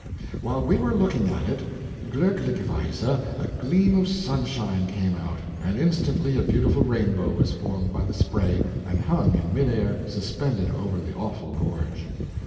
While we were looking at it, GLÜECKLICHEWEISE a gleam of sunshine came out, and instantly a beautiful rainbow was formed by the spray, and hung in mid air suspended over the awful gorge.